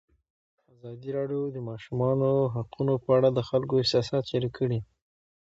ازادي راډیو د د ماشومانو حقونه په اړه د خلکو احساسات شریک کړي.